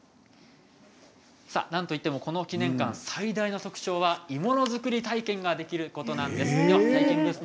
なんといってもこの記念館最大の特徴は鋳物作り体験ができることなんです。